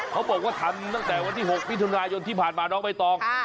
เขาบอกว่าทำตั้งแต่วันที่๖มิถุนายนที่ผ่านมาน้องใบตอง